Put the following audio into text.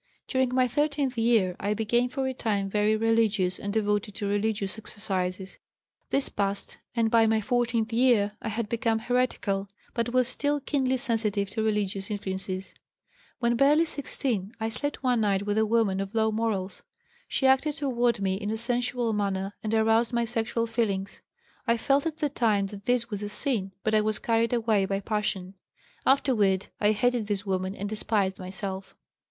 "During my thirteenth year I became for a time very religious and devoted to religious exercises. This passed and by my fourteenth year I had become heretical, but was still keenly sensitive to religious influences. "When barely 16 I slept one night with a woman of low morals. She acted toward me in a sensual manner and aroused my sexual feelings. I felt at the time that this was a sin, but I was carried away by passion. Afterward I hated this woman and despised myself.